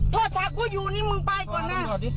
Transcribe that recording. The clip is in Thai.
โทรศัพท์กูอยู่นี่มึงไปก่อนนะ